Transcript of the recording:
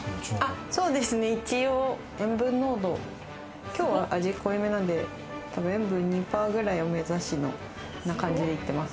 そうですね、一応、塩分濃度、きょうは味濃いめなんで、たぶん塩分２％くらいを目指しに、そんな感じでいってます。